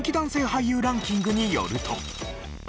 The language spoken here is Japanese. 俳優ランキングによると。